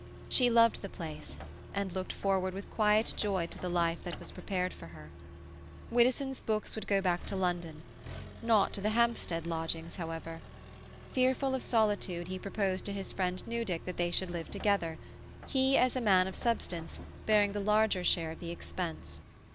She loved the place, and looked forward with quiet joy to the life that was prepared for her. Widdowson's books would go back to London; not to the Hampstead lodgings, however. Fearful of solitude, he proposed to his friend Newdick that they should live together, he, as a man of substance, bearing the larger share of the expense.